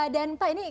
dan pak ini kan